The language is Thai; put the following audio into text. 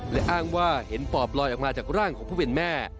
และอ้างว่าเห็นปอบลอยออกมาจากร่างของผู้เป็นแม่